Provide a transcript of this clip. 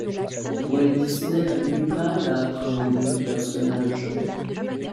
Walt Disney a eu du mal à appréhender le personnage.